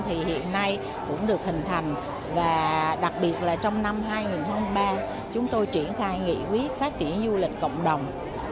trong năm hai nghìn hai mươi ba chúng tôi triển khai nghị quyết phát triển du lịch cộng đồng